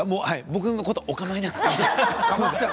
僕のことはお構いなく。